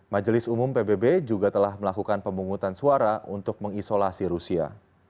majelis umum pbb juga telah melakukan pemungutan suara untuk mengisolasi rusia